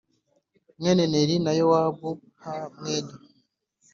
mwene Neri na Yowabu h mwene